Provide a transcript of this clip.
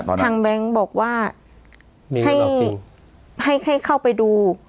ป๋อดับทางแบงก์บอกว่ามีเงินออกจริงให้ให้เข้าไปดู